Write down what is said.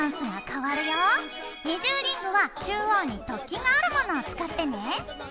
二重リングは中央に突起があるものを使ってね。